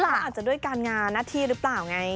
คือเขาอาจจะด้วยการงานหน้าทีรึเปล่าไง